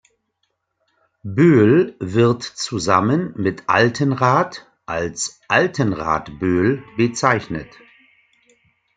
Böhl wird zusammen mit Altenrath als "Altenrath-Böhl" bezeichnet.